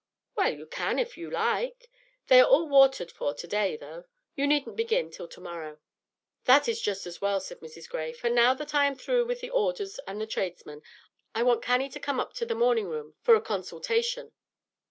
"Well, you can if you like. They are all watered for to day, though. You needn't begin till to morrow." "That is just as well," said Mrs. Gray; "for now that I am through with the orders and the tradesmen, I want Cannie to come up to the morning room for a consultation.